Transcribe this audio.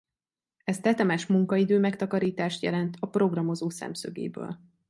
Ez tetemes munkaidő-megtakarítást jelent a programozó szemszögéből.